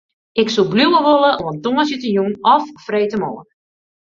Ik soe bliuwe wolle oant tongersdeitejûn of freedtemoarn.